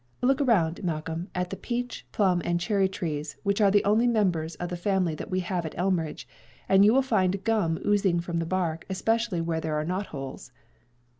Look around, Malcolm, at the peach, plum and cherry trees, which are the only members of the family that we have at Elmridge, and you will find gum oozing from the bark, especially where there are knotholes."